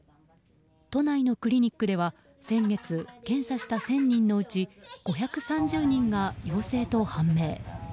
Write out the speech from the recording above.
都内のクリニックでは先月検査した１０００人のうち５３０人が陽性と判明。